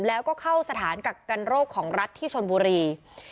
แล้วก็เข้าสถานกักกันโรคของรัฐที่ชนบุรี